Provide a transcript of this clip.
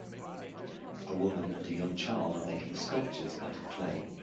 A woman and a young child are making sculptures out of clay.